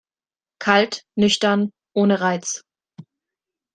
Kalt, nüchtern, ohne Reiz.